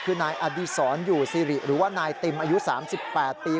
คือนายอดีศรอยู่ซิริหรือว่านายติมอายุ๓๘ปี